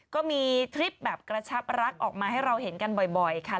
ก็มีทริปแบบกระชับรักออกมาให้เราเห็นกันบ่อยค่ะ